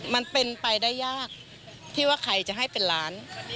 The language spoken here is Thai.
มันเป็นไปได้ยากที่ว่าใครจะให้เป็นล้าน